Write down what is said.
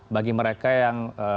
bagi mereka yang